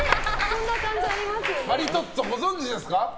マリトッツォご存じですか？